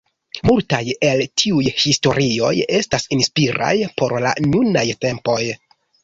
Multaj el tiuj historioj estas inspiraj por la nunaj tempoj.